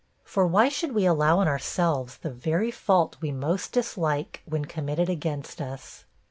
For why should we allow in ourselves, the very fault we most dislike, when committed against us?